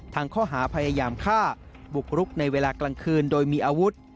ข้อหาพยายามฆ่าบุกรุกในเวลากลางคืนโดยมีอาวุธ